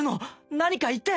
何か言って！